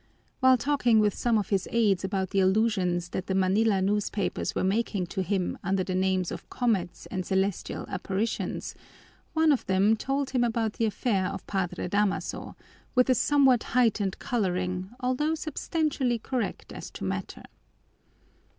While talking with some of his aides about the allusions that the Manila newspapers were making to him under the names of comets and celestial apparitions, one of them told him about the affair of Padre Damaso, with a somewhat heightened coloring although substantially correct as to matter.